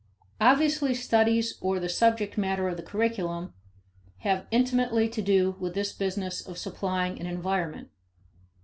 Obviously studies or the subject matter of the curriculum have intimately to do with this business of supplying an environment.